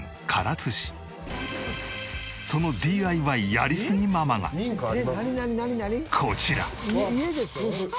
そのＤＩＹやりすぎママがこちら。